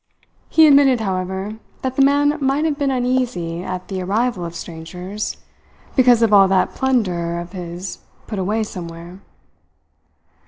He admitted, however, that the man might have been uneasy at the arrival of strangers, because of all that plunder of his put away somewhere.